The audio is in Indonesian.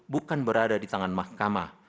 bukan berada di tangan mahkamah